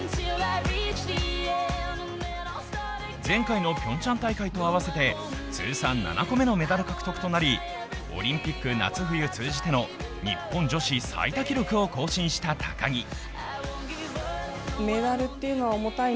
前回のピョンチャン大会と合わせて通算７個目のメダル獲得となりオリンピック夏冬通じての日本女子最多記録を更新した高木。